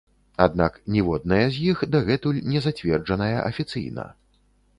Аднак ніводная з іх дагэтуль не зацверджаная афіцыйна.